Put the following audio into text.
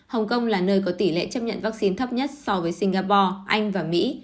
hồng kông là nơi có tỷ lệ chấp nhận vaccine thấp nhất so với singapore anh và mỹ